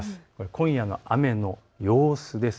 今夜の雨の様子です。